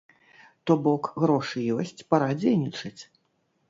То бок, грошы ёсць, пара дзейнічаць.